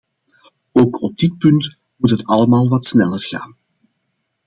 Ook op dit punt moet het allemaal wat sneller gaan.